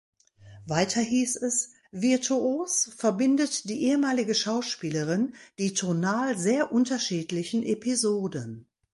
Weiter hieß es: „Virtuos verbindet die ehemalige Schauspielerin die tonal sehr unterschiedlichen Episoden.